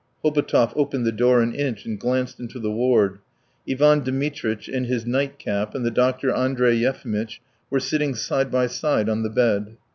Hobotov opened the door an inch and glanced into the ward; Ivan Dmitritch in his night cap and the doctor Andrey Yefimitch were sitting side by side on the bed.